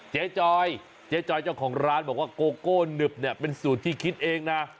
จอยเจ๊จอยเจ้าของร้านบอกว่าโกโก้หนึบเนี่ยเป็นสูตรที่คิดเองนะ